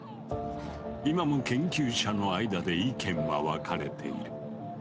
今も研究者の間で意見は分かれている。